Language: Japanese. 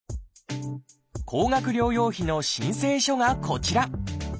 高額療養費の申請書がこちら。